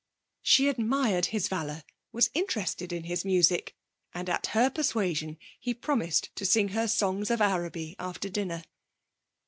She admired his valour, was interested in his music, and at her persuasion he promised to sing her songs of Araby after dinner.